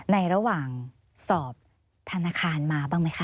ในระหว่างสอบธนาคารมาบ้างไหมคะ